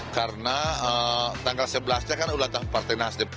karena tanggal sebelas nya kan ulang tahun partai nasdem